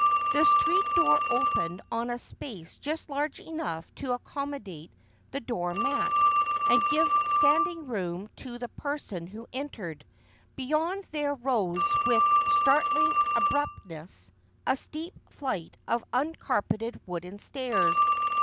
The street door opened on a space just large enough to accommodate the door mat, and give standing room to the person who entered. Beyond there rose with startling abruptness a steep flight of uncarpeted wooden stairs.